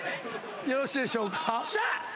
よろしいでしょうかよっしゃ！